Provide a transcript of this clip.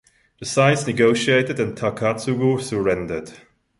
The sides negotiated and Takatsugu surrendered.